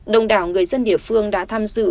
đồng đảo người dân địa phương đã tham dự